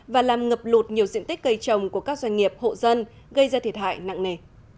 và làm ngập lụt nhiều diện tích cây trồng của các doanh nghiệp hộ dân gây ra thiệt hại nặng nề